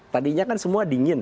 tadinya kan semua dingin